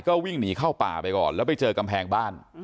ก็วิ่งหนีเข้าป่าไปก่อนแล้วไปเจอกำแพงบ้าน